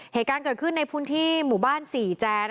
เหตุการณ์เกิดขึ้นในพื้นที่หมู่บ้านสี่แจ